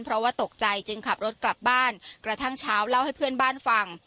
เพราะว่าตกใจจึงขับรถกลับบ้านกระทั่งเช้าเล่าให้เพื่อนบ้านฟัง